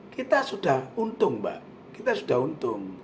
kita sudah untung mbak kita sudah untung